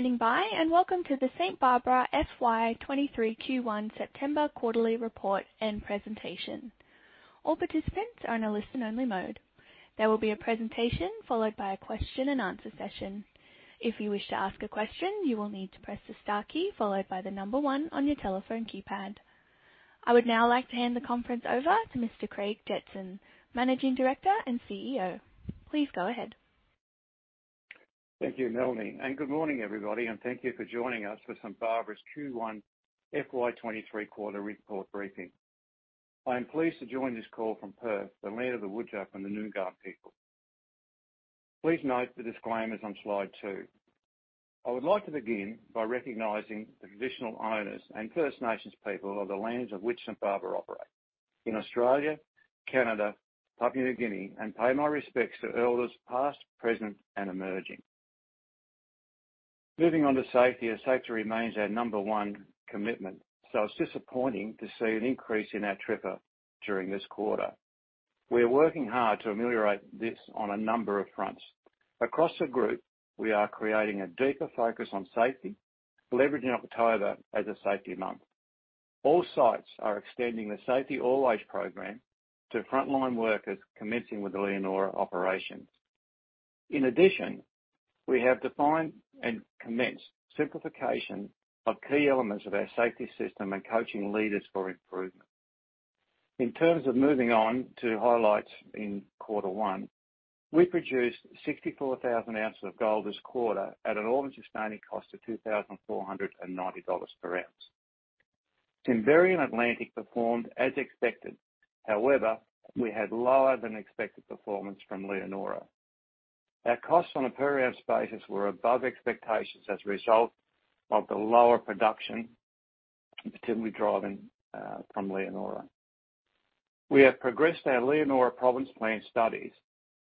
Standing by, and welcome to the St Barbara FY23 Q1 September Quarterly Report and Presentation. All participants are in a listen only mode. There will be a presentation followed by a question and answer session. If you wish to ask a question, you will need to press the star key followed by the number one on your telephone keypad. I would now like to hand the conference over to Mr. Craig Jetson, Managing Director and CEO. Please go ahead. Thank you, Melanie, and good morning, everybody, and thank you for joining us for St Barbara's Q1 FY23 quarter report briefing. I am pleased to join this call from Perth, the land of the Whadjuk and the Noongar people. Please note the disclaimers on Slide 2. I would like to begin by recognizing the traditional owners and First Nations people of the lands of which St Barbara operate. In Australia, Canada, Papua New Guinea, and pay my respects to Elders past, present, and emerging. Moving on to safety, our safety remains our number-one commitment, so it's disappointing to see an increase in our TRIR during this quarter. We are working hard to ameliorate this on a number of fronts. Across the group, we are creating a deeper focus on safety, leveraging October as a Safety Month. All sites are extending the Safety All Ways Program to frontline workers, commencing with the Leonora operations. In addition, we have defined and commenced simplification of key elements of our safety system and coaching leaders for improvement. In terms of moving on to highlights in quarter one, we produced 64,000 ounces of gold this quarter at an all-in sustaining cost of 2,490 dollars per ounce. Simberi and Atlantic performed as expected. However, we had lower than expected performance from Leonora. Our costs on a per-ounce basis were above expectations as a result of the lower production, particularly driven from Leonora. We have progressed our Leonora Province Plan studies.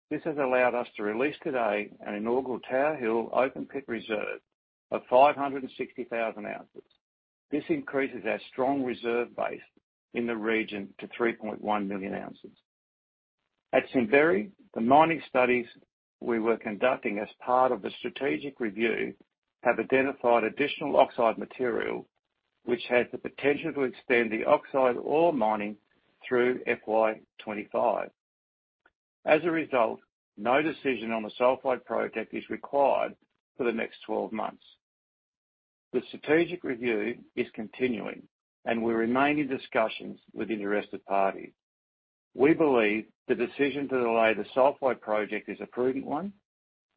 This has allowed us to release today an inaugural Tower Hill open-pit reserve of 560,000 ounces. This increases our strong reserve base in the region to 3.1 million ounces. At Simberi, the mining studies we were conducting as part of the strategic review have identified additional oxide material, which has the potential to extend the oxide ore mining through FY2025. As a result, no decision on the sulfide project is required for the next 12 months. The strategic review is continuing, and we remain in discussions with interested parties. We believe the decision to delay the sulfide project is a prudent one,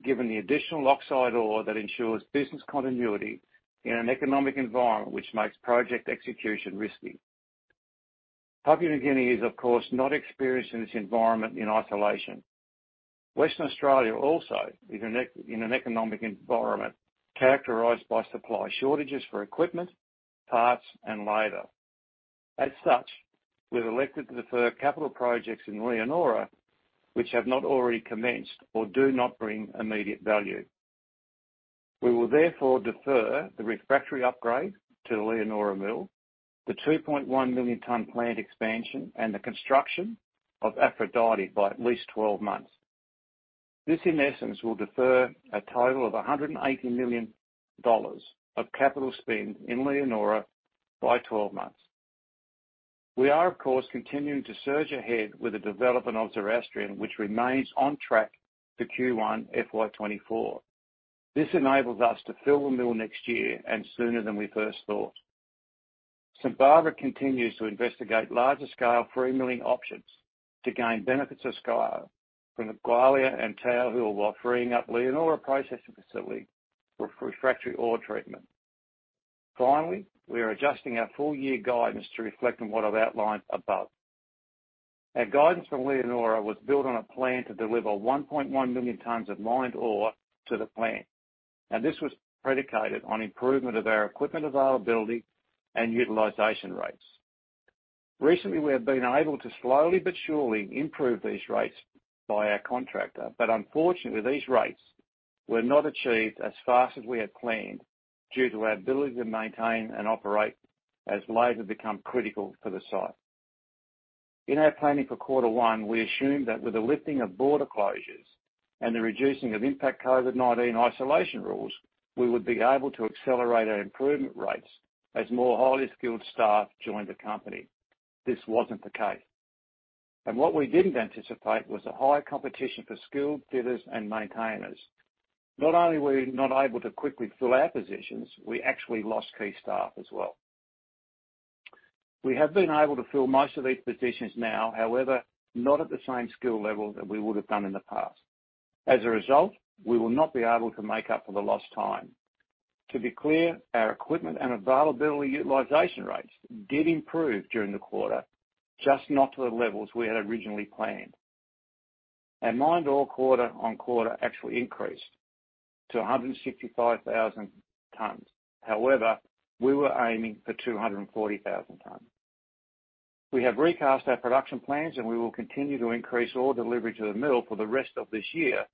given the additional oxide ore that ensures business continuity in an economic environment which makes project execution risky. Papua New Guinea is, of course, not experiencing this environment in isolation. Western Australia also is in an economic environment characterized by supply shortages for equipment, parts and labor. As such, we've elected to defer capital projects in Leonora, which have not already commenced or do not bring immediate value. We will therefore defer the refractory upgrade to the Leonora Mill, the 2.1-million-ton plant expansion, and the construction of Aphrodite by at least 12 months. This, in essence, will defer a total of 180 million dollars of capital spend in Leonora by 12 months. We are, of course, continuing to surge ahead with the development of Zoroastrian, which remains on track for Q1 FY2024. This enables us to fill the mill next year and sooner than we first thought. St Barbara continues to investigate larger scale free milling options to gain benefits of scale from the Gwalia and Tower Hill while freeing up Leonora processing facility for refractory ore treatment. Finally, we are adjusting our full year guidance to reflect on what I've outlined above. Our guidance from Leonora was built on a plan to deliver 1.1 million tonnes of mined ore to the plant, and this was predicated on improvement of our equipment availability and utilization rates. Recently, we have been able to slowly but surely improve these rates by our contractor, but unfortunately, these rates were not achieved as fast as we had planned due to our inability to maintain and operate as labor became critical for the site. In our planning for quarter one, we assumed that with the lifting of border closures and the reduced impact of COVID-19 isolation rules, we would be able to accelerate our improvement rates as more highly skilled staff joined the company. This wasn't the case. What we didn't anticipate was a higher competition for skilled fitters and maintainers. Not only were we not able to quickly fill our positions, we actually lost key staff as well. We have been able to fill most of these positions now, however, not at the same skill level that we would have done in the past. As a result, we will not be able to make up for the lost time. To be clear, our equipment and availability utilization rates did improve during the quarter, just not to the levels we had originally planned. Our mined ore quarter on quarter actually increased to 165,000 tonnes. However, we were aiming for 240,000 tonnes. We have recast our production plans, and we will continue to increase ore delivery to the mill for the rest of this year.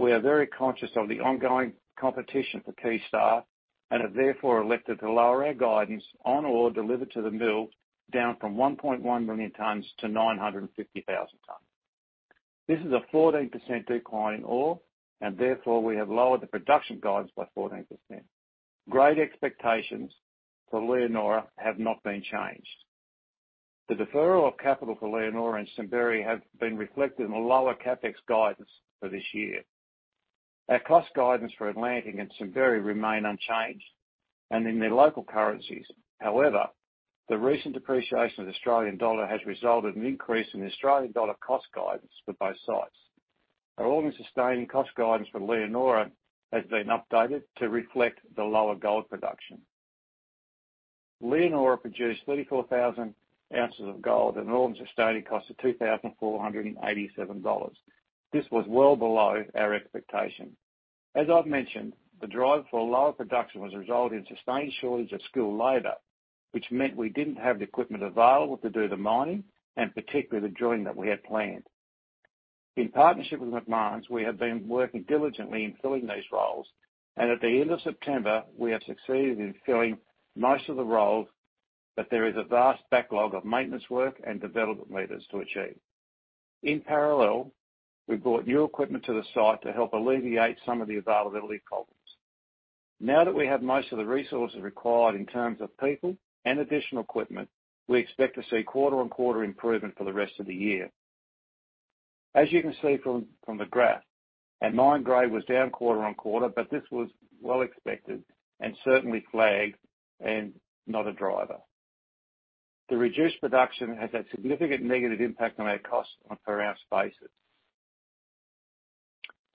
We are very conscious of the ongoing competition for key staff and have therefore elected to lower our guidance on ore delivered to the mill down from 1.1 million tonnes to 950,000 tonnes. This is a 14% decline in ore, and therefore we have lowered the production guidance by 14%. Great expectations for Leonora have not been changed. The deferral of capital for Leonora and Simberi have been reflected in the lower CapEx guidance for this year. Our cost guidance for Atlantic and Simberi remain unchanged and in their local currencies. However, the recent depreciation of Australian dollar has resulted in increase in Australian dollar cost guidance for both sites. Our all-in sustaining cost guidance for Leonora has been updated to reflect the lower gold production. Leonora produced 34,000 ounces of gold at an all-in sustaining cost of 2,487 dollars. This was well below our expectation. As I've mentioned, the drive for lower production was a result of sustained shortage of skilled labor, which meant we didn't have the equipment available to do the mining and particularly the drilling that we had planned. In partnership with Macmahon, we have been working diligently on filling these roles, and at the end of September, we have succeeded in filling most of the roles, but there is a vast backlog of maintenance work and development meters to achieve. In parallel, we brought new equipment to the site to help alleviate some of the availability problems. Now that we have most of the resources required in terms of people and additional equipment, we expect to see quarter-on-quarter improvement for the rest of the year. As you can see from the graph, our mine grade was down quarter-over-quarter, but this was well expected and certainly flagged and not a driver. The reduced production has had significant negative impact on our costs on a per ounce basis.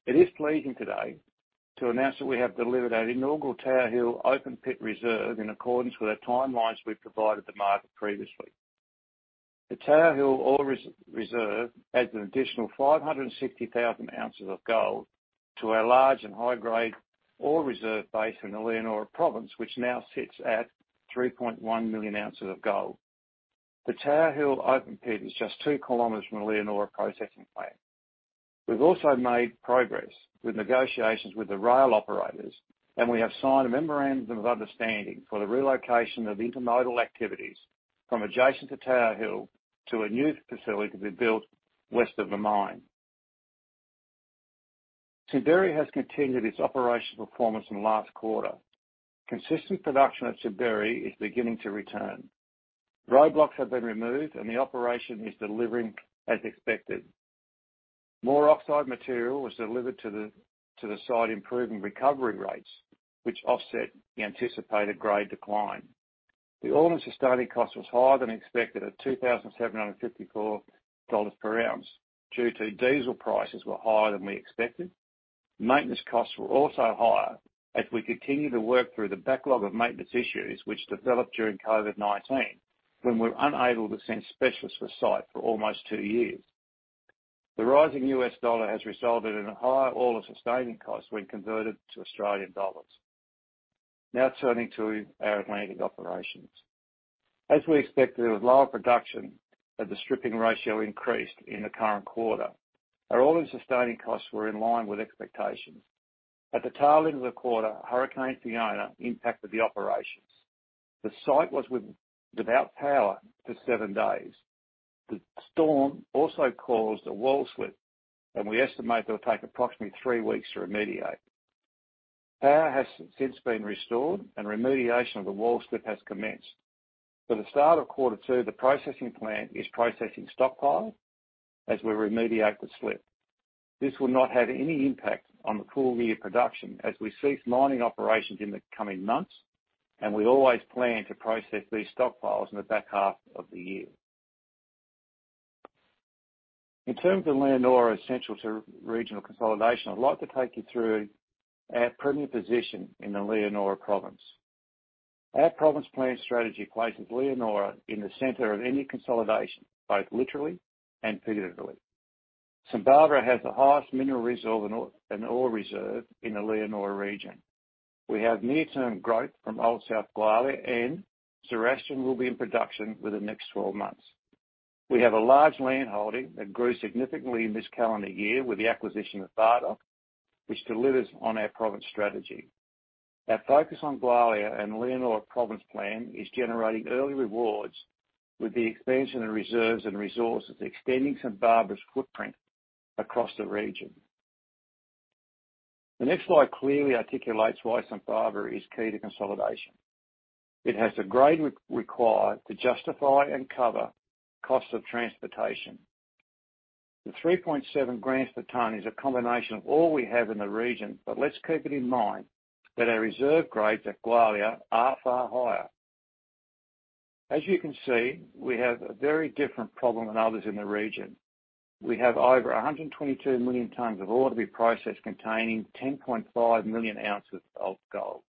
It is pleasing today to announce that we have delivered our inaugural Tower Hill open-pit reserve in accordance with our timelines we provided the market previously. The Tower Hill ore reserve adds an additional 560,000 ounces of gold to our large and high-grade ore reserve base in the Leonora Province, which now sits at 3.1 million ounces of gold. The Tower Hill open pit is just 2 kilometers from the Leonora processing plant. We've also made progress with negotiations with the rail operators, and we have signed a memorandum of understanding for the relocation of intermodal activities from adjacent to Tower Hill to a new facility to be built west of the mine. Simberi has continued its operational performance in the last quarter. Consistent production at Simberi is beginning to return. Roadblocks have been removed, and the operation is delivering as expected. More oxide material was delivered to the site, improving recovery rates, which offset the anticipated grade decline. The all-in sustaining cost was higher than expected at $2,754 per ounce due to diesel prices were higher than we expected. Maintenance costs were also higher as we continue to work through the backlog of maintenance issues which developed during COVID-19, when we were unable to send specialists to the site for almost two years. The rising U.S. dollar has resulted in a higher all-in sustaining cost when converted to Australian dollars. Now turning to our Atlantic operations. As we expected, there was lower production, but the stripping ratio increased in the current quarter. Our all-in sustaining costs were in line with expectations. At the tail end of the quarter, Hurricane Fiona impacted the operations. The site was without power for seven days. The storm also caused a wall slip, and we estimate that it'll take approximately three weeks to remediate. Power has since been restored and remediation of the wall slip has commenced. For the start of quarter two, the processing plant is processing stockpiles as we remediate the slip. This will not have any impact on the full year production as we cease mining operations in the coming months, and we always plan to process these stockpiles in the back half of the year. In terms of Leonora's essential to regional consolidation, I'd like to take you through our premium position in the Leonora Province. Our Province Plan strategy places Leonora in the center of any consolidation, both literally and figuratively. St Barbara has the highest mineral reserve and ore reserve in the Leonora region. We have near-term growth from Old South Gwalia and Seraphim will be in production within the next 12 months. We have a large landholding that grew significantly in this calendar year with the acquisition of Bardoc, which delivers on our province strategy. Our focus on Gwalia and Leonora Province Plan is generating early rewards with the expansion of reserves and resources, extending St Barbara's footprint across the region. The next slide clearly articulates why St Barbara is key to consolidation. It has the grade required to justify and cover cost of transportation. The 3.7 grams per tonne is a combination of all we have in the region, but let's keep it in mind that our reserve grades at Gwalia are far higher. As you can see, we have a very different problem than others in the region. We have over 122 million tonnes of ore to be processed containing 10.5 million ounces of gold.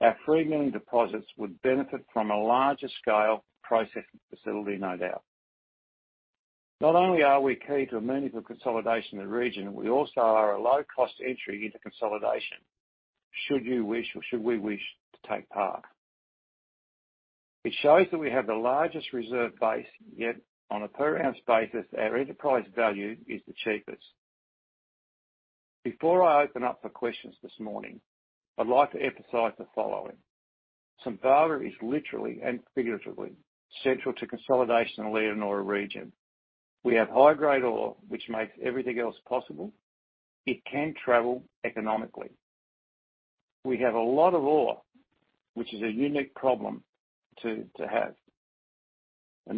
Our 3 million-ounce deposits would benefit from a larger scale processing facility, no doubt. Not only are we key to a meaningful consolidation in the region, we also are a low-cost entry into consolidation, should you wish or should we wish to take part. It shows that we have the largest reserve base, yet on a per ounce basis, our enterprise value is the cheapest. Before I open up for questions this morning, I'd like to emphasize the following. Simberi is literally and figuratively central to consolidation in the Leonora region. We have high-grade ore, which makes everything else possible. It can travel economically. We have a lot of ore, which is a unique problem to have.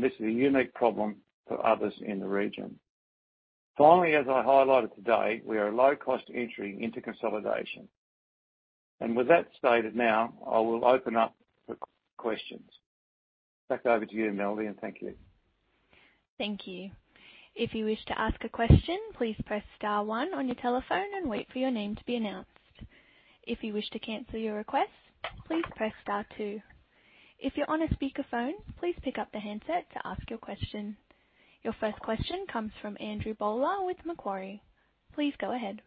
This is a unique problem for others in the region. Finally, as I highlighted today, we are a low cost entry into consolidation. With that stated now, I will open up for questions. Back over to you, Melody, and thank you. Thank you. If you wish to ask a question, please press star one on your telephone and wait for your name to be announced. If you wish to cancel your request, please press star two. If you're on a speakerphone, please pick up the handset to ask your question. Your first question comes from Andrew Bowler with Macquarie. Please go ahead.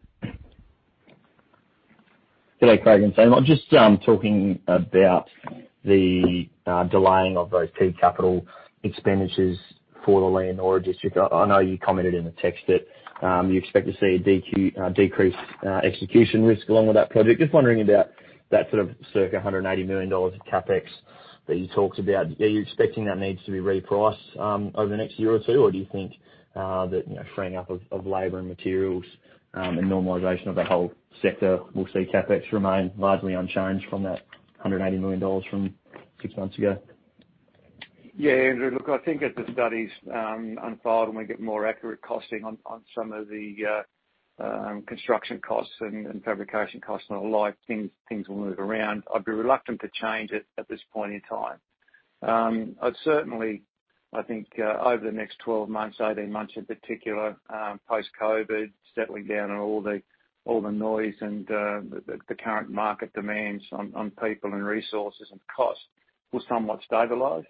G'day, Craig. I'm just talking about the delaying of those two capital expenditures for the Leonora district. I know you commented in the text that you expect to see a decrease execution risk along with that project. Just wondering about that sort of circa 180 million dollars of CapEx that you talked about. Are you expecting that needs to be repriced over the next year or two? Or do you think that you know freeing up of labor and materials and normalization of that whole sector will see CapEx remain largely unchanged from that 180 million dollars from six months ago? Yeah, Andrew, look, I think as the studies unfold and we get more accurate costing on some of the construction costs and fabrication costs and the like, things will move around. I'd be reluctant to change it at this point in time. I'd certainly, I think, over the next 12 months, 18 months in particular, post-COVID-19, settling down and all the noise and the current market demands on people and resources and costs will somewhat stabilize.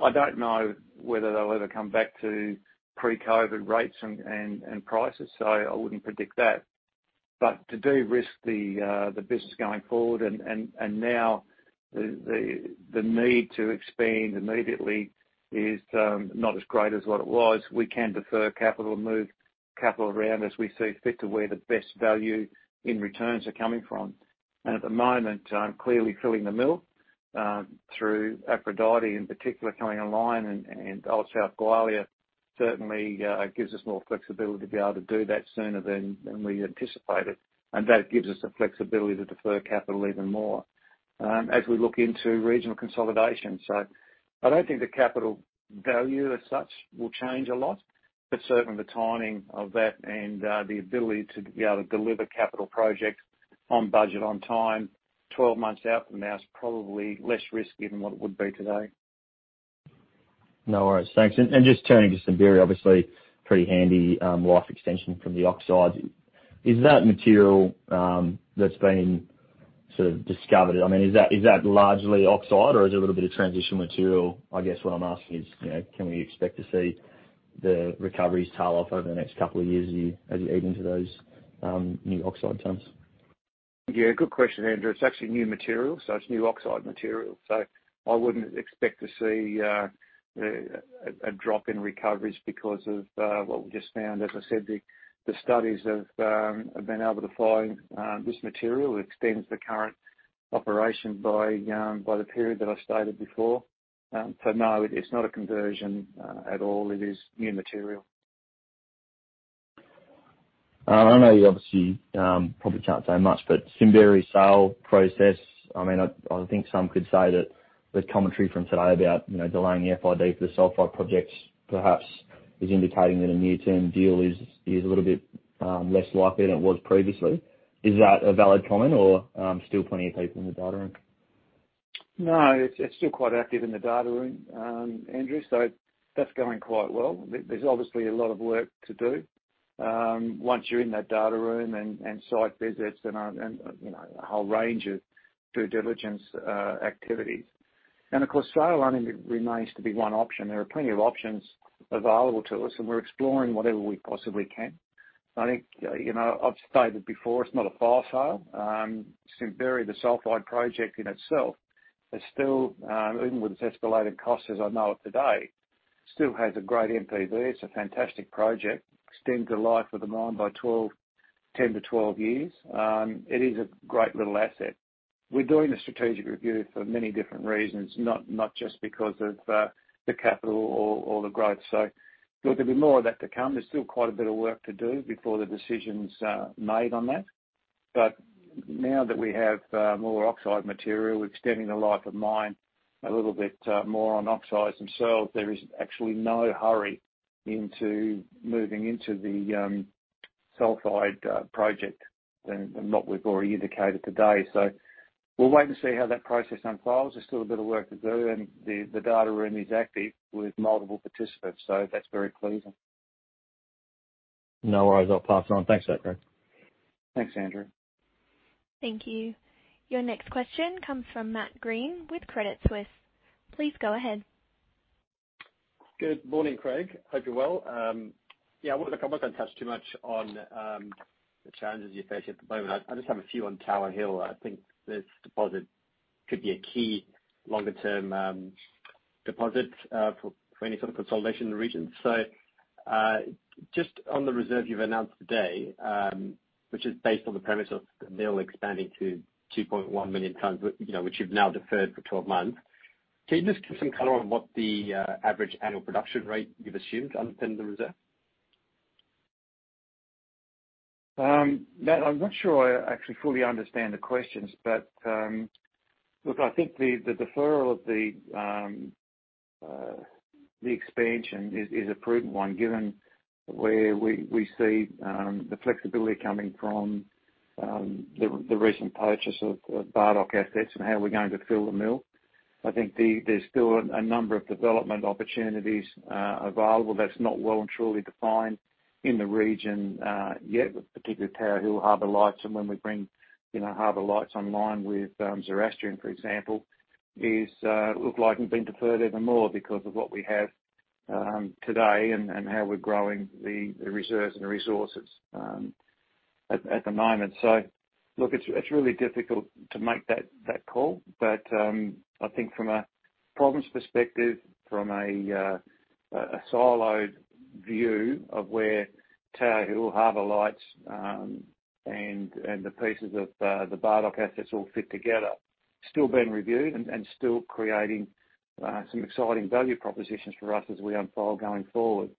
I don't know whether they'll ever come back to pre-COVID-19 rates and prices, so I wouldn't predict that. To de-risk the business going forward and now the need to expand immediately is not as great as what it was. We can defer capital and move capital around as we see fit to where the best value in returns are coming from. At the moment, clearly filling the mill through Aphrodite in particular coming online and Old South Gwalia certainly gives us more flexibility to be able to do that sooner than we anticipated. That gives us the flexibility to defer capital even more as we look into regional consolidation. I don't think the capital value as such will change a lot, but certainly the timing of that and the ability to be able to deliver capital projects on budget, on time, 12 months out from now is probably less risky than what it would be today. No worries. Thanks. Just turning to Simberi, obviously pretty handy life extension from the oxides. Is that material that's been sort of discovered? I mean, is that largely oxide or is it a little bit of transition material? I guess what I'm asking is, you know, can we expect to see the recoveries tail off over the next couple of years as you eat into those new oxide tonnes? Yeah, good question, Andrew. It's actually new material, so it's new oxide material. So I wouldn't expect to see a drop in recoveries because of what we just found. As I said, the studies have been able to find this material. It extends the current operation by the period that I stated before. So no, it's not a conversion at all. It is new material. I know you obviously probably can't say much, but Simberi sale process. I mean, I think some could say that the commentary from today about, you know, delaying the FID for the sulfide projects perhaps is indicating that a near-term deal is a little bit less likely than it was previously. Is that a valid comment or still plenty of people in the data room? No, it's still quite active in the data room, Andrew, so that's going quite well. There's obviously a lot of work to do once you're in that data room and site visits and you know, a whole range of due diligence activities. Of course, sale remains to be one option. There are plenty of options available to us, and we're exploring whatever we possibly can. I think, you know, I've stated before, it's not a fire sale. Simberi, the sulfide project in itself is still even with its escalated costs, as I know it today, still has a great NPV. It's a fantastic project. Extends the life of the mine by 10-12 years. It is a great little asset. We're doing a strategic review for many different reasons, not just because of the capital or the growth. Look, there'll be more of that to come. There's still quite a bit of work to do before the decision's made on that. Now that we have more oxide material, we're extending the life of mine a little bit, more on oxides themselves. There is actually no hurry into moving into the sulfide project than what we've already indicated today. We'll wait and see how that process unfolds. There's still a bit of work to do, and the data room is active with multiple participants. That's very pleasing. No worries. I'll pass it on. Thanks for that, Craig. Thanks, Andrew. Thank you. Your next question comes from Matt Greene with Credit Suisse. Please go ahead. Good morning, Craig. Hope you're well. Yeah, I wonder, look, I wasn't gonna touch too much on the challenges you face at the moment. I just have a few on Tower Hill. I think this deposit could be a key longer term deposit for any sort of consolidation in the region. Just on the reserve you've announced today, which is based on the premise of the mill expanding to 2.1 million tonnes, which you've now deferred for 12 months, can you just give some color on what the average annual production rate you've assumed underpinning the reserve? Matt, I'm not sure I actually fully understand the questions, but look, I think the deferral of the expansion is a prudent one given where we see the flexibility coming from the recent purchase of Bardoc assets and how we're going to fill the mill. I think there's still a number of development opportunities available that's not well and truly defined in the region yet, with particularly Tower Hill, Harbour Lights, and when we bring you know Harbour Lights online with Zoroastrian, for example, is look like been deferred even more because of what we have today and how we're growing the reserves and the resources at the moment. Look, it's really difficult to make that call. I think from a province perspective, from a siloed view of where Tower Hill, Harbor Lights, and the pieces of the Bardoc assets all fit together, still being reviewed and still creating some exciting value propositions for us as we unfold going forward.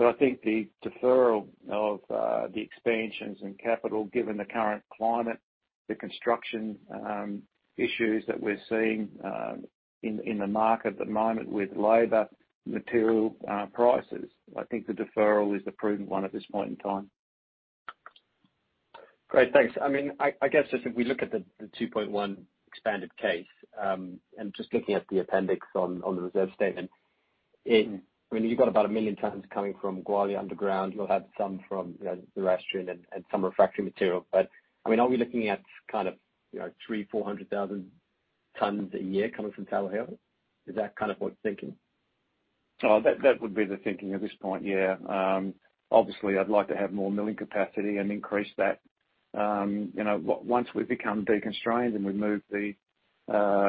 I think the deferral of the expansions and capital, given the current climate, the construction issues that we're seeing in the market at the moment with labor, material prices, I think the deferral is the prudent one at this point in time. Great. Thanks. I mean, I guess just if we look at the 2.1 expanded case, and just looking at the appendix on the reserve statement, when you've got about 1 million tonnes coming from Gwalia underground, you'll have some from, you know, Zoroastrian and some refractory material. But, I mean, are we looking at kind of, you know, 300-400 thousand tonnes a year coming from Tower Hill? Is that kind of what thinking? Oh, that would be the thinking at this point, yeah. Obviously I'd like to have more milling capacity and increase that. You know, once we become deconstrained and we move the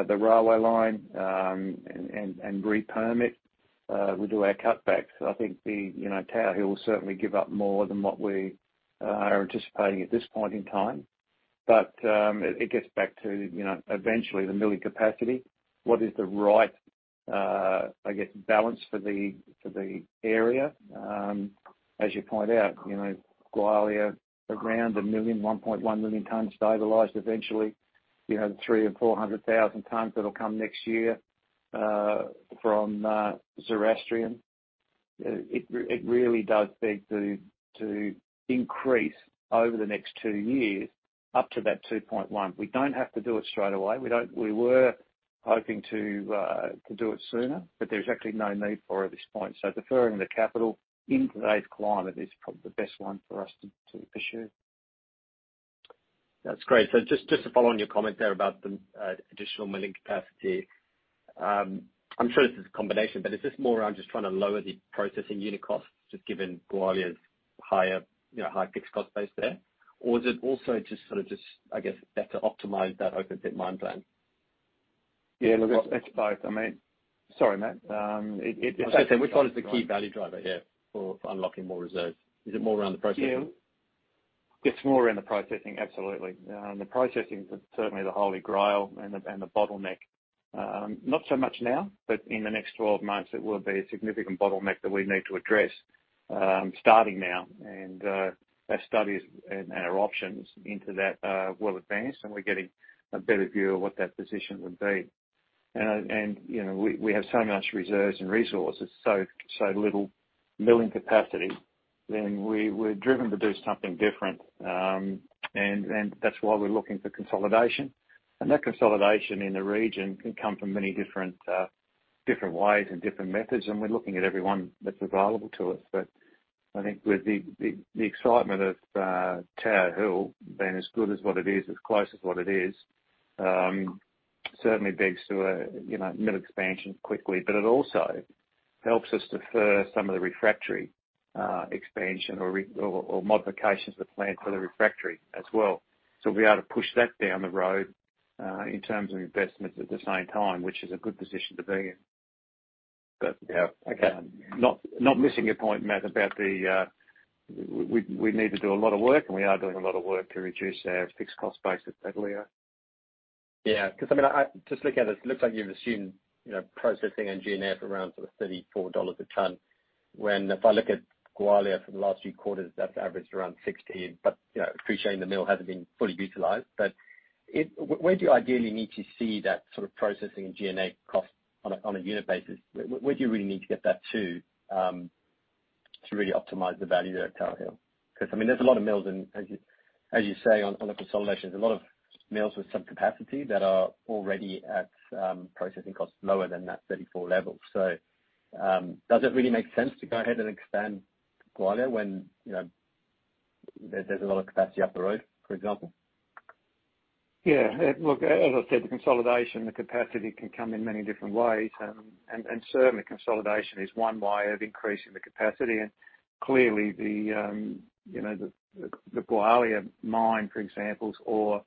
railway line, and re-permit, we do our cutbacks, I think the, you know, Tower Hill will certainly give up more than what we are anticipating at this point in time. It gets back to, you know, eventually the milling capacity. What is the right, I guess, balance for the area. As you point out, you know, Gwalia, around a million, 1.1 million tonnes stabilized eventually. You know, the 300,000-400,000 tonnes that'll come next year, from Zoroastrian. It really does beg to increase over the next two years up to that 2.1. We don't have to do it straight away. We were hoping to do it sooner, but there's actually no need for it at this point. Deferring the capital in today's climate is probably the best one for us to pursue. That's great. Just to follow on your comment there about the additional milling capacity. I'm sure this is a combination, but is this more around just trying to lower the processing unit costs, just given Gwalia's higher, you know, higher fixed cost base there? Or is it also just sort of, I guess, better optimize that open pit mine plan? Yeah, look, it's both. I mean, sorry, Matt. I was gonna say, which one is the key value driver here for unlocking more reserves? Is it more around the processing? Yeah. It's more around the processing. Absolutely. The processing is certainly the holy grail and the bottleneck. Not so much now, but in the next 12 months, it will be a significant bottleneck that we need to address, starting now. Our studies and our options into that are well advanced, and we're getting a better view of what that position would be. You know, we have so much reserves and resources, so little milling capacity, then we're driven to do something different. That's why we're looking for consolidation. That consolidation in the region can come from many different ways and different methods, and we're looking at every one that's available to us. I think with the excitement of Tower Hill being as good as what it is, as close as what it is, certainly begs to you know, mill expansion quickly. It also helps us defer some of the refractory expansion or modifications to the plan for the refractory as well. We'll be able to push that down the road in terms of investments at the same time, which is a good position to be in. Yeah. Okay. Not missing your point, Matt, about, we need to do a lot of work, and we are doing a lot of work to reduce our fixed cost base at Gwalia. Yeah. I mean, just looking at this, it looks like you've assumed, you know, processing and G&A for around 34 dollars per tonne, when if I look at Gwalia for the last few quarters, that's averaged around 16. You know, appreciating the mill hasn't been fully utilized. Where do you ideally need to see that sort of processing and G&A cost on per-unit basis? Where do you really need to get that to really optimize the value there at Tower Hill? I mean, there's a lot of mills and as you say, on the consolidations, a lot of mills with some capacity that are already at processing costs lower than that 34 level. Does it really make sense to go ahead and expand Gwalia when, you know, there's a lot of capacity up the road, for example? Yeah. Look, as I said, the consolidation, the capacity can come in many different ways. Certainly consolidation is one way of increasing the capacity. Clearly, you know, the Gwalia mine, for example, or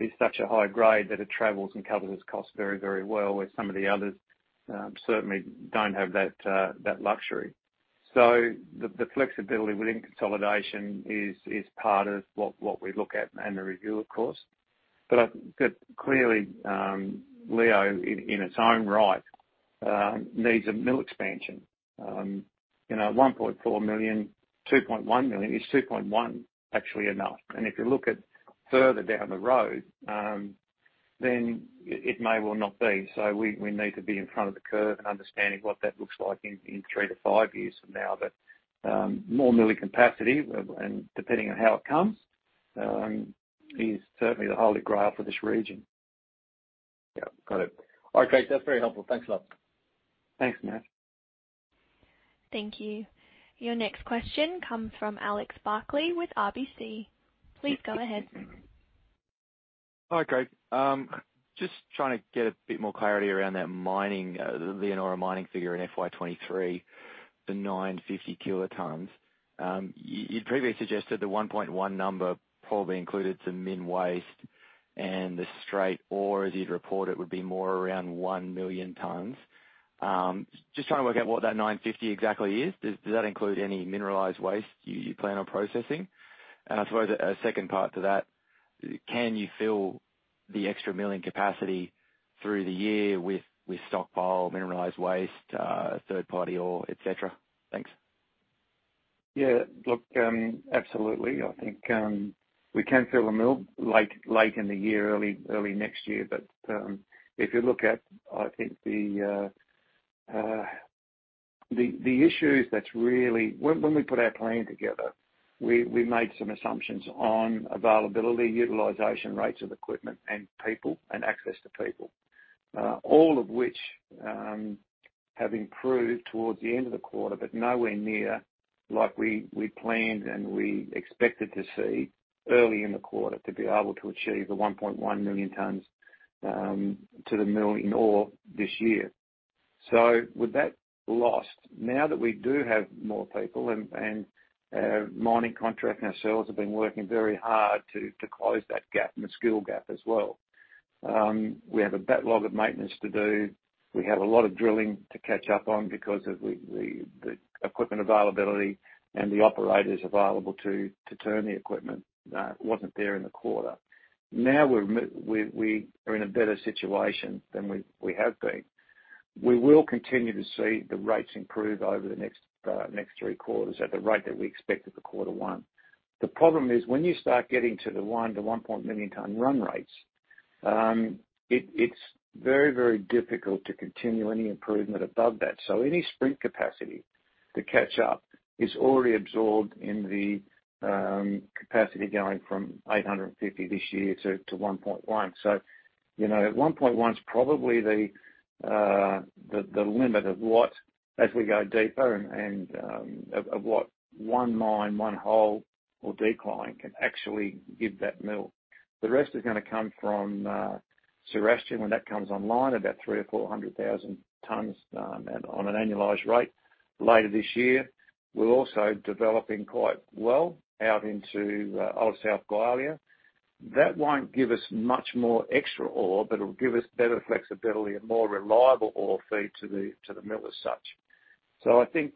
is such a high grade that it travels and covers its cost very, very well, where some of the others certainly don't have that luxury. The flexibility within consolidation is part of what we look at in a review, of course. Clearly, Leo in its own right needs a mill expansion. You know, 1.4 million tonnes, 2.1 million tonnes- is 2.1 million actually enough? If you look further down the road, then it may well not be. We need to be ahead of the curve and understanding what that looks like in three to five years from now. More milling capacity and depending on how it comes is certainly the holy grail for this region. Yeah, got it. All right, Craig, that's very helpful. Thanks a lot. Thanks, Matt. Thank you. Your next question comes from Alex Barkley with RBC. Please go ahead. Hi, Craig. Just trying to get a bit more clarity around that mining, the Leonora mining figure in FY2023, the 950 kilotonnes. You'd previously suggested the 1.1 million-tonne figure probably included some mine waste, and the straight ore as you'd report it would be more around 1 million tonnes. Just trying to work out what that 950 kilotonnes exactly. Does that include any mineralized waste you plan on processing? And I suppose a second part to that, can you fill the extra milling capacity through the year with stockpile, mineralized waste, third-party ore, et cetera? Thanks. Yeah. Look, absolutely. I think we can fill the mill late in the year, early next year. If you look at the issues that's really when we put our plan together, we made some assumptions on availability, utilization rates of equipment and people and access to people. All of which have improved towards the end of the quarter, but nowhere near like we planned and we expected to see early in the quarter to be able to achieve the 1.1 million tonnes to the mill in ore this year. With that lost, now that we do have more people and mining contractor and ourselves have been working very hard to close that gap and the skill gap as well. We have a backlog of maintenance to do. We have a lot of drilling to catch up on because of the equipment availability and the operators available to turn the equipment wasn't there in the quarter. Now we are in a better situation than we have been. We will continue to see the rates improve over the next three quarters at the rate that we expected quarter one. The problem is when you start getting to the 1-1.1 million tonnes run rates, it's very, very difficult to continue any improvement above that. Any sprint capacity to catch up is already absorbed in the capacity going from 850,000 tonnes this year to 1.1 million tonnes. You know, at one point one's probably the limit of what, as we go deeper, one mine, one hole or decline can actually give that mill. The rest is gonna come from Zoroastrian when that comes online, about 300,000-400,000 tonnes, and on an annualized rate later this year. We're also developing quite well out into Old South Gwalia. That won't give us much more extra ore, but it'll give us better flexibility and more reliable ore feed to the mill as such. I think,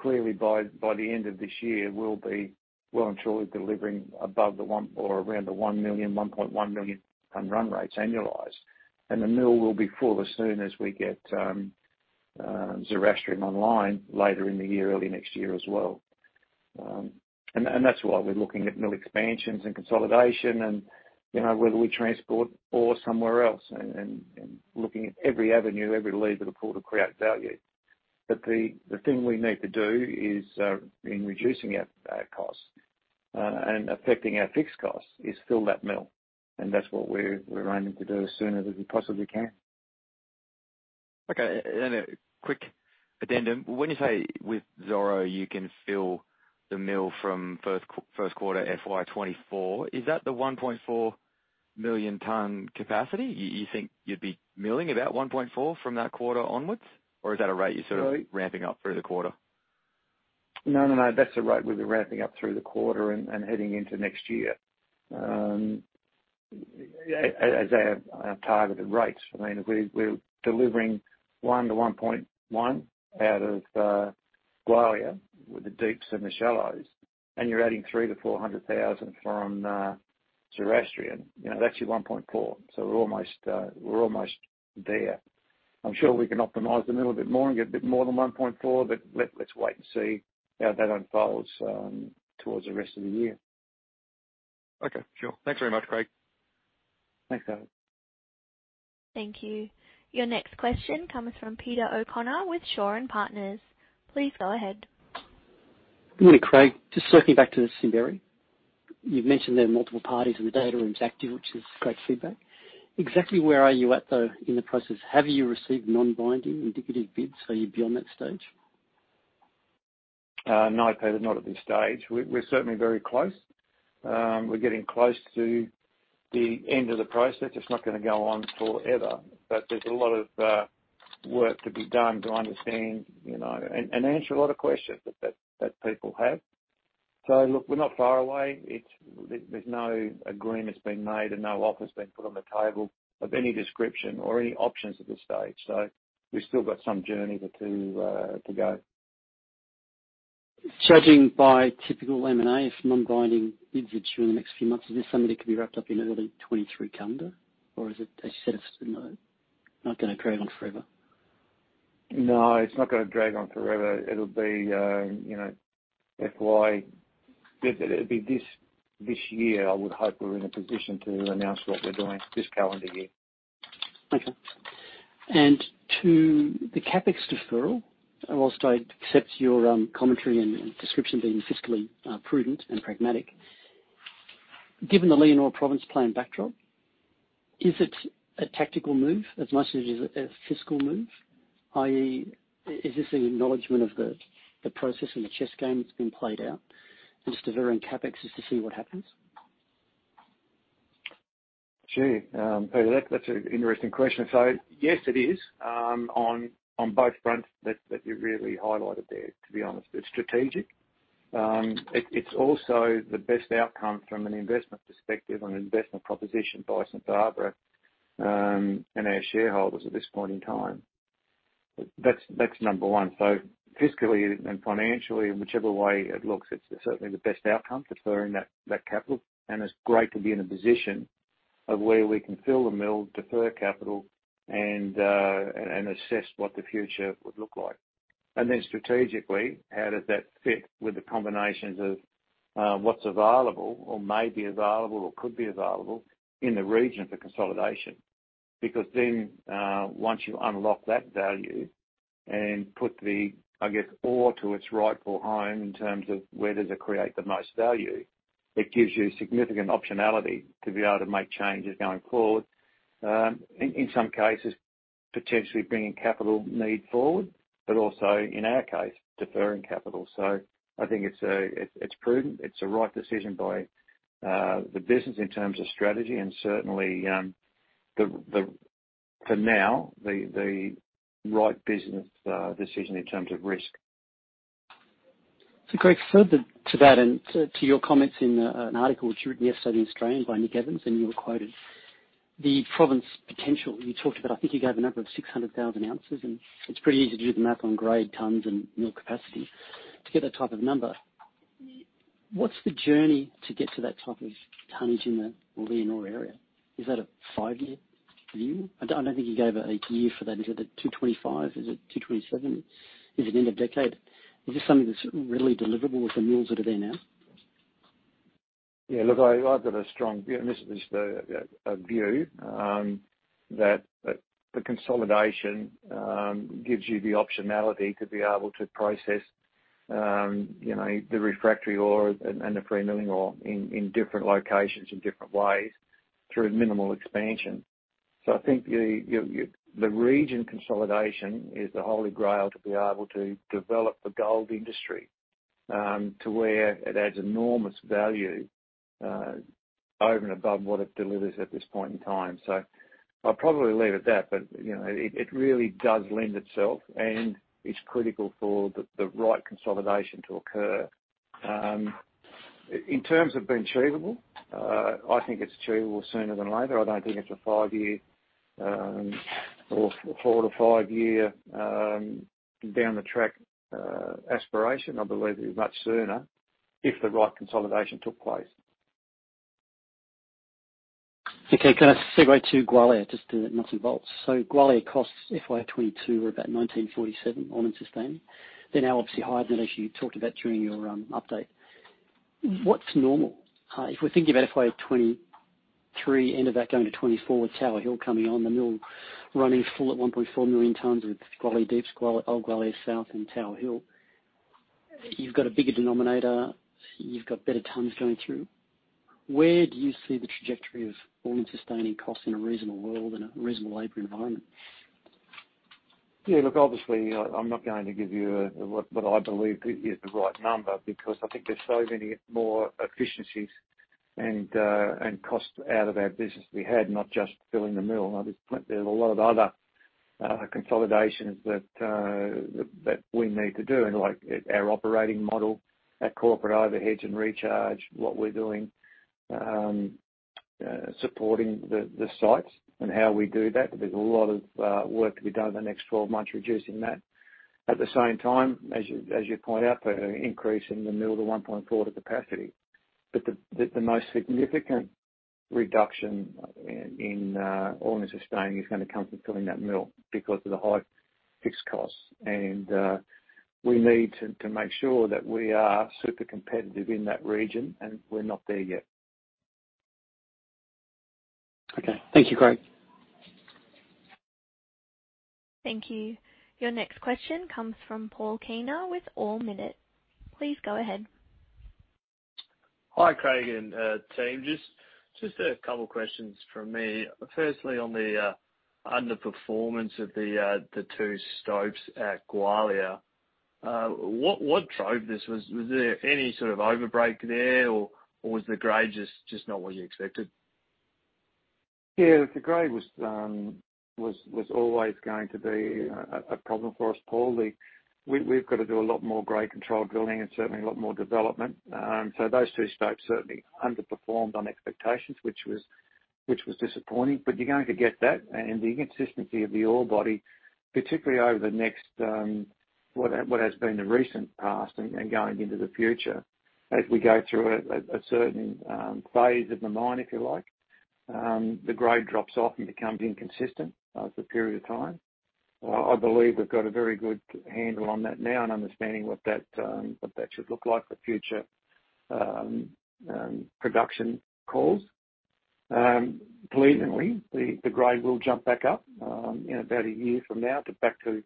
clearly by the end of this year, we'll be well and truly delivering above the one or around the 1-1.1 million-tonne run rates annualized. The mill will be full as soon as we get Zoroastrian online later in the year, early next year as well. That's why we're looking at mill expansions and consolidation and, you know, whether we transport ore somewhere else and looking at every avenue, every lever to pull to create value. The thing we need to do is reduce our costs and offset our fixed costs by filling that mill, and that's what we're aiming to do as soon as we possibly can. Okay. A quick addendum. When you say with Zoroastrian, you can fill the mill from first quarter FY2024, is that the 1.4 million tonnes capacity? You think you'd be milling about 1.4 million tonnes from that quarter onwards, or is that a rate you're sort of- No. Ramping up through the quarter? No, no. That's the rate we're ramping up through the quarter and heading into next year. As our targeted rates. I mean, if we're delivering 1-1.1 million tonnes out of Gwalia with the deeps and the shallows, and you're adding 300,000-400,000 tonnes from Zoroastrian, you know, that's your 1.4 million tonnes. We're almost there. I'm sure we can optimize the mill a bit more and get a bit more than 1.4, but let's wait and see how that unfolds towards the rest of the year. Okay. Sure. Thanks very much, Craig. Thanks, Alex. Thank you. Your next question comes from Peter O'Connor with Shaw and Partners. Please go ahead. Good morning, Craig. Just circling back to the Simberi. You've mentioned there are multiple parties in the data rooms active, which is great feedback. Exactly where are you at, though, in the process? Have you received non-binding indicative bids, so you'd be on that stage? No, Peter, not at this stage. We're certainly very close. We're getting close to the end of the process. It's not gonna go on forever. There's a lot of work to be done to understand, you know, and answer a lot of questions that people have. Look, we're not far away. There's no agreement that's been made, and no offer's been put on the table of any description or any options at this stage. We've still got some journey to go. Judging by typical M&A, if non-binding bids are due in the next few months, is this something that could be wrapped up in early 2023 calendar? No, not gonna drag on forever. No, it's not gonna drag on forever. It'll be, you know, this year, I would hope we're in a position to announce what we're doing this calendar year. Okay. To the CapEx deferral, while I accept your commentary and description being fiscally prudent and pragmatic, given the Leonora Province Plan backdrop, is it a tactical move as much as it is a fiscal move? i.e., is this an acknowledgment of the process and the chess game that's been played out, and just deferring CapEx just to see what happens? Gee, Peter, that's an interesting question. Yes, it is on both fronts that you really highlighted there, to be honest. It's strategic. It's also the best outcome from an investment perspective on an investment proposition by St Barbara, and our shareholders at this point in time. That's number one. Fiscally and financially, whichever way it looks, it's certainly the best outcome, deferring that capital. It's great to be in a position where we can fill the mill, defer capital, and assess what the future would look like. Then strategically, how does that fit with the combinations of what's available or may be available or could be available in the region for consolidation? Once you unlock that value and put the, I guess, ore to its rightful home in terms of where does it create the most value, it gives you significant optionality to be able to make changes going forward. In some cases, potentially bringing capital need forward, but also in our case, deferring capital. I think it's prudent. It's the right decision by the business in terms of strategy and certainly, for now, the right business decision in terms of risk. Craig Jetson, further to that and to your comments in an article which you wrote yesterday in The Australian by Nick Evans, and you were quoted. The province potential, you talked about, I think you gave the number of 600,000 ounces, and it's pretty easy to do the math on grade tonnes and mill capacity to get that type of number. What's the journey to get to that type of tonnage in the Leonora area? Is that a five-year view? I don't think you gave a year for that. Is that 2025? Is it 2027? Is it end of decade? Is this something that's really deliverable with the mills that are there now? Yeah, look, I've got a strong view, and this is just a view that the consolidation gives you the optionality to be able to process, you know, the refractory ore and the free milling ore in different locations in different ways through minimal expansion. I think the region consolidation is the Holy Grail to be able to develop the gold industry to where it adds enormous value over and above what it delivers at this point in time. I'll probably leave it at that, but you know, it really does lend itself, and it's critical for the right consolidation to occur. In terms of being achievable, I think it's achievable sooner than later. I don't think it's a five-year or four to 5-year down the track aspiration. I believe it'll be much sooner if the right consolidation took place. Okay. Can I segue to Gwalia, just to nuts and bolts? Gwalia costs FY2022 were about 1,947 all-in sustaining. They're now obviously higher than as you talked about during your update. What's normal? If we're thinking about FY2023, end of that going to FY2024 with Tower Hill coming on, the mill running full at 1.4 million tonnes with Gwalia Deep, Old South Gwalia and Tower Hill. You've got a bigger denominator. You've got better tonnes going through. Where do you see the trajectory of all-in sustaining costs in a reasonable world and a reasonable labor environment? I'm not going to give you what I believe is the right number because I think there's so many more efficiencies and costs out of our business we had, not just filling the mill. I just point there's a lot of other consolidations that we need to do, like our operating model, our corporate overheads and recharge, what we're doing supporting the sites and how we do that. There's a lot of work to be done in the next 12 months reducing that. At the same time, as you point out, increase in the mill to 1.4 million tonnes. The most significant reduction in all-in sustaining is gonna come from filling that mill because of the high fixed costs. We need to make sure that we are super competitive in that region, and we're not there yet. Okay. Thank you, Craig Jetson. Thank you. Your next question comes from Paul Keenan with Ord Minnett. Please go ahead. Hi, Craig and team. Just a couple questions from me. Firstly, on the underperformance of the two stopes at Gwalia. What drove this? Was there any sort of overbreak there or was the grade just not what you expected? Yeah, the grade was always going to be a problem for us, Paul. We've got to do a lot more grade control drilling and certainly a lot more development. So those two stopes certainly underperformed on expectations, which was disappointing, but you're going to get that. The consistency of the ore body, particularly over the next what has been the recent past and going into the future, as we go through a certain phase of the mine, if you like, the grade drops off and becomes inconsistent for a period of time. I believe we've got a very good handle on that now and understanding what that should look like for future production calls. Pleasingly, the grade will jump back up in about a year from now to back to,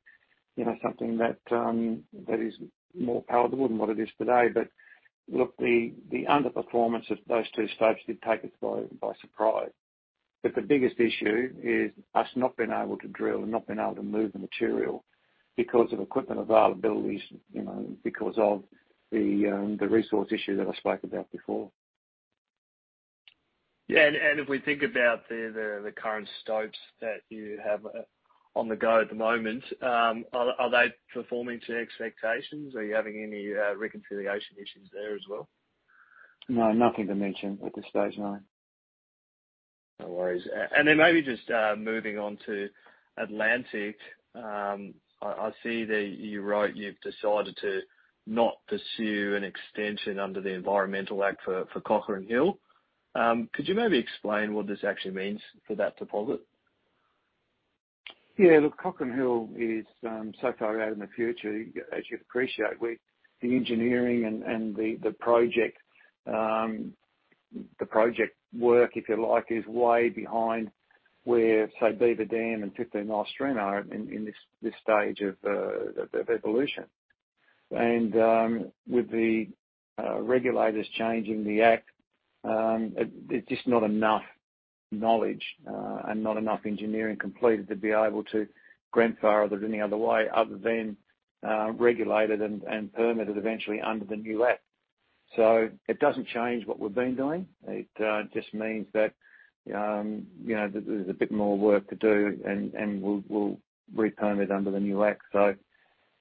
you know, something that is more palatable than what it is today. Look, the underperformance of those two stopes did take us by surprise. The biggest issue is us not being able to drill and not being able to move the material because of equipment availabilities, you know, because of the resource issue that I spoke about before. Yeah. If we think about the current stopes that you have on the go at the moment, are they performing to expectations? Are you having any reconciliation issues there as well? No, nothing to mention at this stage, no. No worries. Maybe just moving on to Atlantic. I see that you wrote you've decided to not pursue an extension under the Canadian Environmental Assessment Act for Cochrane Hill. Could you maybe explain what this actually means for that deposit? Yeah. Look, Cochrane Hill is so far out in the future, as you'd appreciate, the engineering and the project work, if you like, is way behind where, say, Beaver Dam and Fifteen Mile Stream are in this stage of evolution. With the regulators changing the ct, it's just not enough knowledge and not enough engineering completed to be able to grandfather it any other way other than regulated and permitted eventually under the new Act. It doesn't change what we've been doing. It just means that, you know, there's a bit more work to do and we'll re-permit under the new Act. It,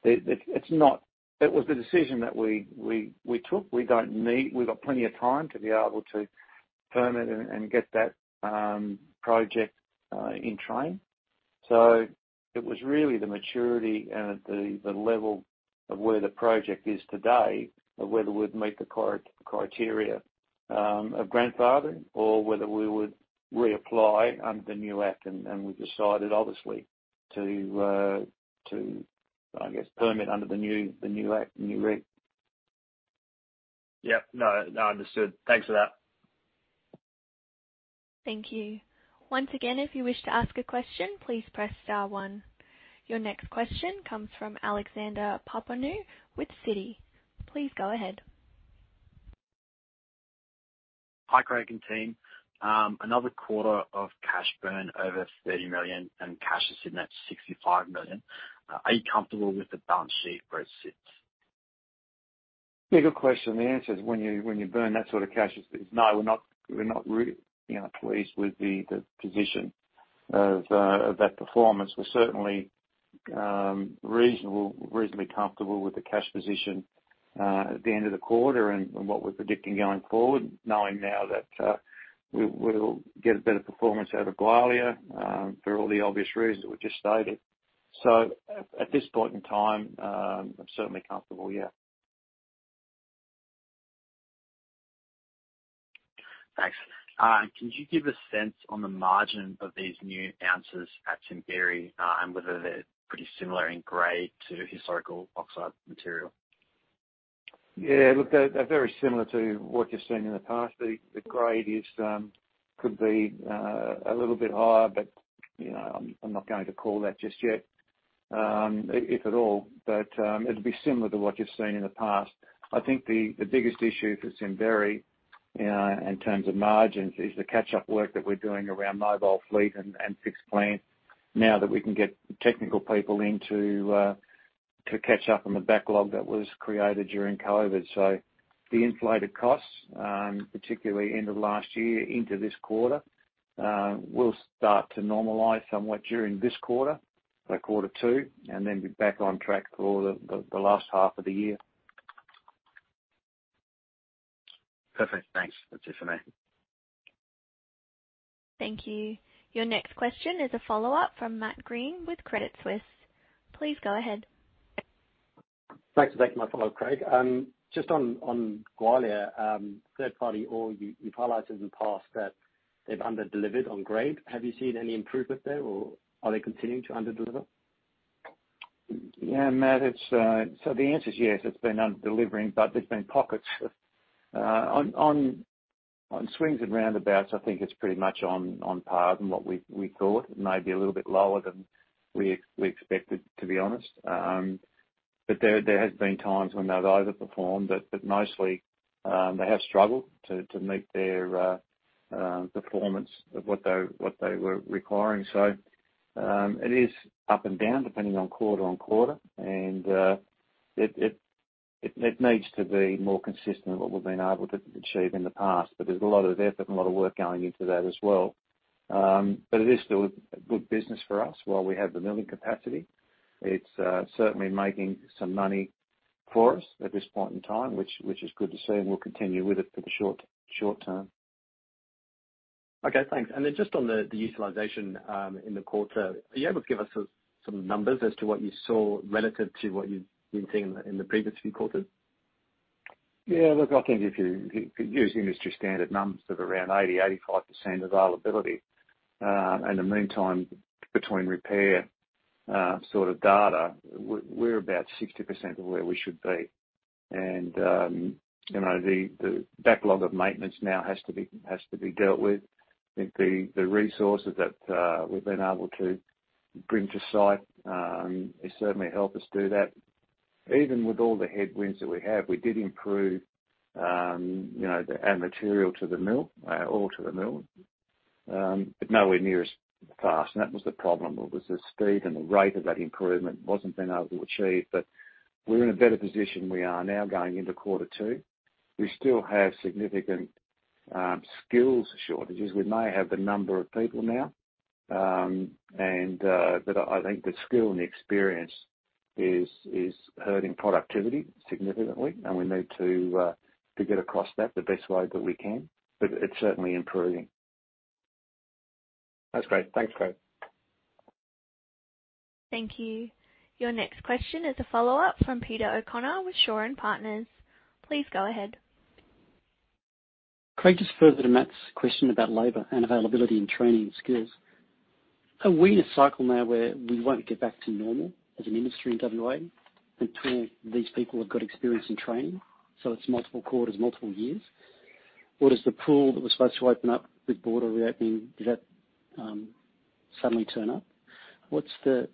it's not. It was the decision that we took. We don't need. We've got plenty of time to be able to permit and get that project in train. It was really the maturity and the level of where the project is today of whether we'd meet the core criteria of grandfathering or whether we would reapply under the new Act. We decided, obviously, to I guess permit under the new Act, new reg. Yeah. No, no. Understood. Thanks for that. Thank you. Once again, if you wish to ask a question, please press star one. Your next question comes from Alexander Papaioannou with Citi. Please go ahead. Hi, Craig and team. Another quarter of cash burn over 30 million and cash is sitting at 65 million. Are you comfortable with the balance sheet where it sits? Yeah, good question. The answer is when you burn that sort of cash, no, we're not you know, pleased with the position of that performance. We're certainly reasonably comfortable with the cash position at the end of the quarter and what we're predicting going forward, knowing now that we'll get a better performance out of Gwalia for all the obvious reasons we've just stated. At this point in time, I'm certainly comfortable, yeah. Thanks. Could you give a sense on the margin of these new ounces at Simberi, and whether they're pretty similar in grade to historical oxide material? Yeah. Look, they're very similar to what you've seen in the past. The grade could be a little bit higher, but you know, I'm not going to call that just yet, if at all. It'll be similar to what you've seen in the past. I think the biggest issue for Simberi in terms of margins is the catch-up work that we're doing around mobile fleet and fixed plant now that we can get technical people in to catch up on the backlog that was created during COVID-19. The inflated costs, particularly end of last year into this quarter, will start to normalize somewhat during this quarter two, and then be back on track for the last half of the year. Perfect. Thanks. That's it for me. Thank you. Your next question is a follow-up from Matt Greene with Credit Suisse. Please go ahead. Thanks. My follow-up, Craig. Just on Gwalia, third party ore, you've highlighted in the past that they've underdelivered on grade. Have you seen any improvement there, or are they continuing to underdeliver? Yeah, Matt, it's. The answer is yes, it's been underdelivering, but there's been pockets of on swings and roundabouts, I think it's pretty much on par than what we thought. Maybe a little bit lower than we expected, to be honest. There has been times when they've overperformed. Mostly, they have struggled to meet their performance of what they were requiring. It is up and down depending on quarter-on-quarter. It needs to be more consistent than what we've been able to achieve in the past, but there's a lot of effort and a lot of work going into that as well. It is still a good business for us while we have the milling capacity. It's certainly making some money for us at this point in time, which is good to see, and we'll continue with it for the short term. Okay, thanks. Just on the utilization in the quarter, are you able to give us some numbers as to what you saw relative to what you've been seeing in the previous few quarters? Yeah. Look, I can give you. If you use industry-standard numbers of around 80-85% availability, and the mean time between repairs sort of data, we're about 60% of where we should be. You know, the backlog of maintenance now has to be dealt with. I think the resources that we've been able to bring to site has certainly helped us do that. Even with all the headwinds that we have, we did improve, you know, add material to the mill, ore to the mill, but nowhere near as fast, and that was the problem, the speed and the rate of that improvement wasn't being able to achieve. We're in a better position we are now going into Q2. We still have significant skills shortages. We may have the number of people now, but I think the skill and experience is hurting productivity significantly and we need to get across that the best way that we can. It's certainly improving. That's great. Thanks, Craig. Thank you. Your next question is a follow-up from Peter O'Connor with Shaw and Partners. Please go ahead. Craig, just further to Matt's question about labor and availability in training and skills, are we in a cycle now where we won't get back to normal as an industry in WA until these people have got experience and training, so it's multiple quarters, multiple years? Or does the pool that was supposed to open up with border reopening, does that suddenly turn up? What's the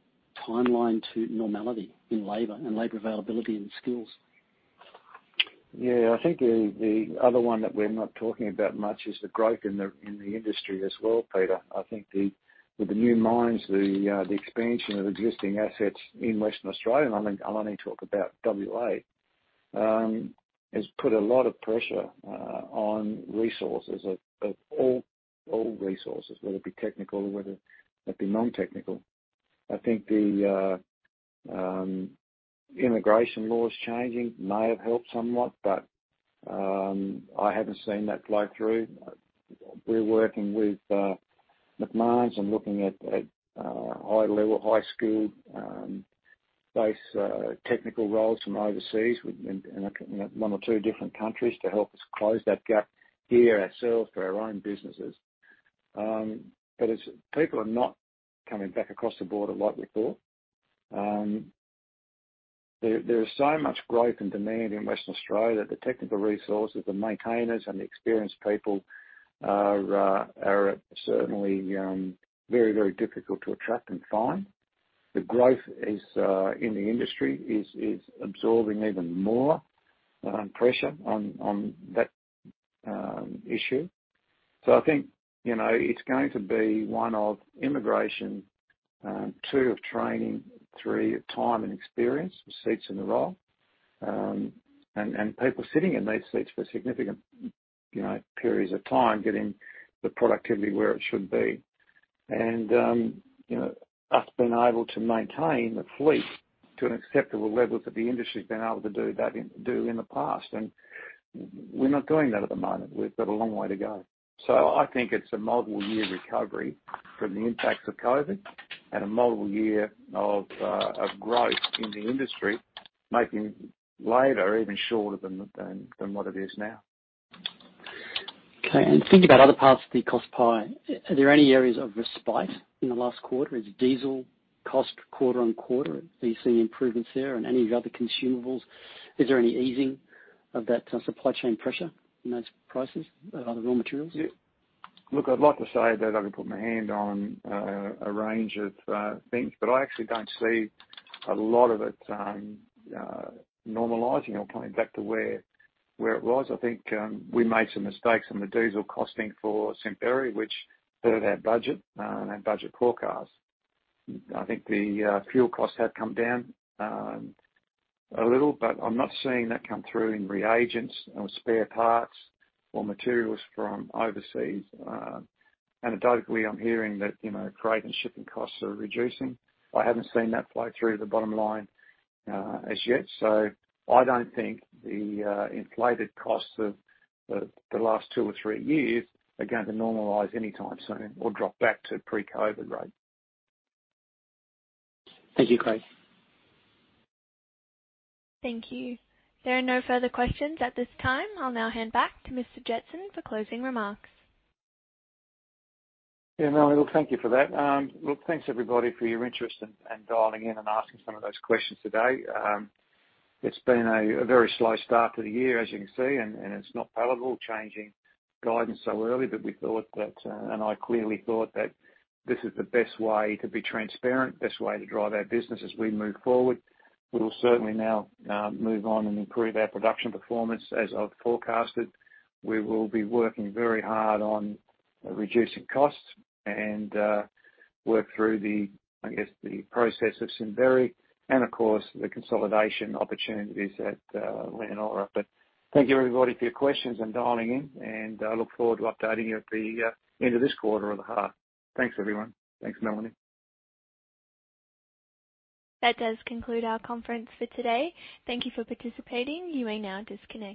timeline to normality in labor and labor availability and skills? Yeah, I think the other one that we're not talking about much is the growth in the industry as well, Peter. I think with the new mines, the expansion of existing assets in Western Australia, I'm only talking about WA, has put a lot of pressure on resources, all resources, whether it be technical or whether it be non-technical. I think the immigration laws changing may have helped somewhat, but I haven't seen that flow through. We're working with Macmahon and looking at high-level, high-skilled based technical roles from overseas within, you know, one or two different countries to help us close that gap here ourselves for our own businesses. But it's. People are not coming back across the border like we thought. There is so much growth and demand in Western Australia that the technical resources, the maintainers and the experienced people are certainly very, very difficult to attract and find. The growth in the industry is absorbing even more pressure on that issue. I think, you know, it's going to be one of immigration, two of training, three of time and experience for seats in the role, and people sitting in these seats for significant, you know, periods of time getting the productivity where it should be. You know, us being able to maintain the fleet to an acceptable level that the industry's been able to do that in the past. We're not doing that at the moment. We've got a long way to go. I think it's a multi-year recovery from the impacts of COVID-19 and a multi-year of growth in the industry, making labor even shorter than what it is now. Okay. Thinking about other parts of the cost pie, are there any areas of respite in the last quarter? Is diesel cost quarter-on-quarter, are you seeing improvements there and any of the other consumables? Is there any easing of that supply chain pressure in those prices on the raw materials? Look, I'd like to say that I can put my hand on a range of things, but I actually don't see a lot of it normalizing or coming back to where it was. I think we made some mistakes on the diesel costing for Simberi, which hurt our budget and budget forecast. I think the fuel costs have come down a little, but I'm not seeing that come through in reagents or spare parts or materials from overseas. Anecdotally, I'm hearing that, you know, freight and shipping costs are reducing. I haven't seen that flow through to the bottom line as yet. I don't think the inflated costs of the last two or three years are going to normalize anytime soon or drop back to pre-COVID-19 rates. Thank you, Craig. Thank you. There are no further questions at this time. I'll now hand back to Andrew Strelein for closing remarks. Yeah. Melanie, well, thank you for that. Look, thanks, everybody, for your interest and dialing in and asking some of those questions today. It's been a very slow start to the year, as you can see, and it's not palatable changing guidance so early. We thought that and I clearly thought that this is the best way to be transparent, best way to drive our business as we move forward. We will certainly now move on and improve our production performance as I've forecasted. We will be working very hard on reducing costs and work through the, I guess, the process of Simberi and of course, the consolidation opportunities at Leonora. Thank you, everybody, for your questions and dialing in, and I look forward to updating you at the end of this quarter or the half. Thanks, everyone. Thanks, Melanie. That does conclude our conference for today. Thank you for participating. You may now disconnect.